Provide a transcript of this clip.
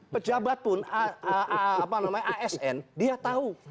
pejabat pun asn dia tahu